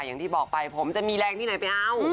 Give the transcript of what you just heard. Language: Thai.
อย่างที่บอกไปผมจะมีแรงที่ไหนไปเอา